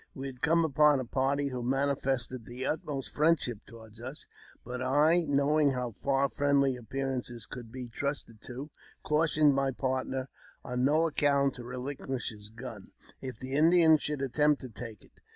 We had come upon a party who manifested the utmost friendship toward us ; but I, knowing how far friendly appearances could be trusted to, cautioned my partner on no account to relinquish his gun, if the Indians should attempt to take it.